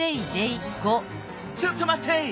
ちょっとまって！